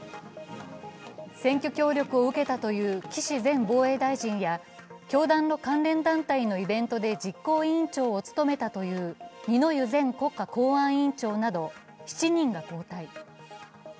選挙協力を受けたという岸前防衛大臣や教団の関連団体のイベントで実行委員長を務めたという二之湯前国家公安委員長など７人が交代。